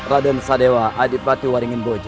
raden sadewa adipati waringinboja